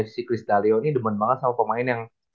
si chris dalio ini demen banget sama pemain yang